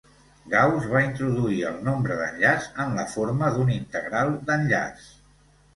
Gauss va introduir el nombre d'enllaç en la forma d'un integral d'enllaç.